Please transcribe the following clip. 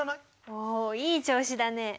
おいい調子だね。